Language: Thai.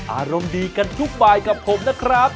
อารมณ์ดีกันทุกบายกับผมนะครับ